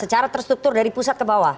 secara terstruktur dari pusat ke bawah